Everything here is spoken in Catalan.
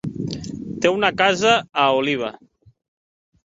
Té una casa a Oliva.